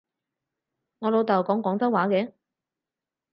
我老豆講廣州話嘅